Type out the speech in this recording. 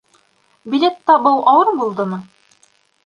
Билет табыу ауыр булдымы?